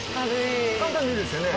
簡単でいいですよね。